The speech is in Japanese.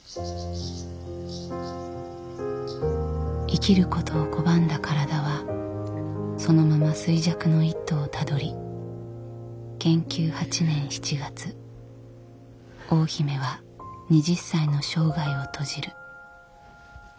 生きることを拒んだ体はそのまま衰弱の一途をたどり建久８年７月大姫は２０歳の生涯を閉じる。